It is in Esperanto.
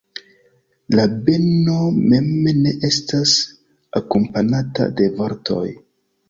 La beno mem ne estas akompanata de vortoj.